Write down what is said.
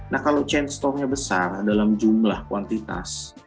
nah kalau chainstore nya besar dalam jumlah kuantitas